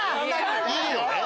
いいのね！